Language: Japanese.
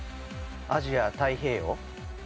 アジア太平洋。